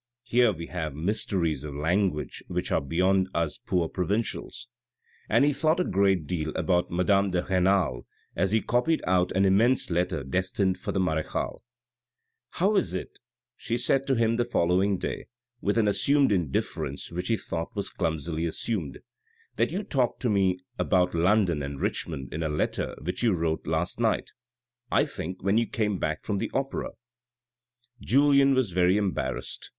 Here we have mysteries of language which are beyond us poor provincials." And he thought a great deal about madame de Renal, as he copied out an immense letter destined for the marechale. " How is it," she said to him the following day, with an assumed indifference which he thought was clumsily assumed, ' that you talk to me about London and Richmond in a letter which you wrote last night, I think, when you came back from the opera ?" Julien was very embarrassed.